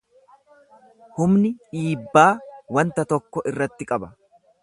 Humni dhiibbaa wanta tokko irratti qaba.